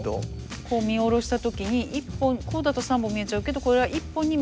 こう見下ろした時にこうだと３本見えちゃうけどこれが１本に見える角度。